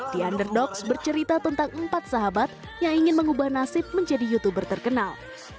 the underdogs bercerita tentang empat sahabat yang ingin mengubah nasib menjadi youtuber terkenal